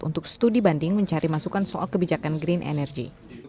untuk studi banding mencari masukan soal kebijakan green energy